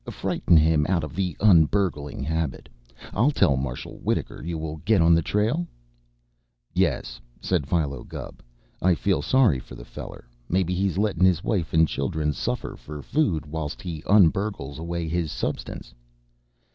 Frighten him out of the un burgling habit. I'll tell Marshal Wittaker you will get on the trail?" "Yes," said Philo Gubb. "I feel sorry for the feller. Maybe he's lettin' his wife and children suffer for food whilst he un burgles away his substance."